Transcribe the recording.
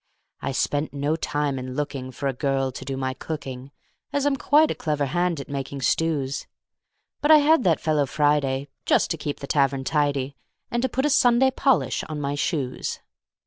I spent no time in lookingFor a girl to do my cooking, As I'm quite a clever hand at making stews; But I had that fellow Friday, Just to keep the tavern tidy, And to put a Sunday polish on my shoes.